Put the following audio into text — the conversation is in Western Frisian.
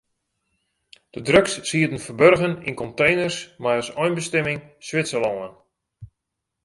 De drugs sieten ferburgen yn konteners mei as einbestimming Switserlân.